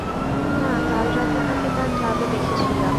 না, কাল রাতে তাকে তার ক্লাবে দেখেছিলাম।